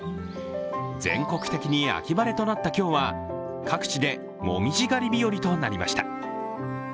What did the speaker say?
全国的に秋晴れとなった今日は各地で紅葉狩り日和となりました。